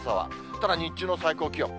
ただ、日中の最高気温。